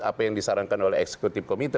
apa yang disarankan oleh eksekutif komite